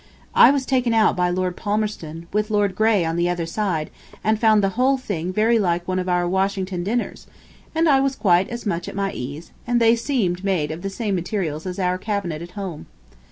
I was taken out by Lord Palmerston, with Lord Grey on the other side, and found the whole thing very like one of our Washington dinners, and I was quite as much at my ease, and they seemed made of the same materials as our cabinet at home.